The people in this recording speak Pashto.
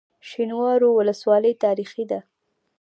شینوارو ولسوالۍ تاریخي ده؟